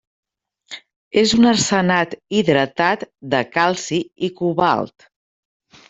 És un arsenat hidratat de calci i cobalt.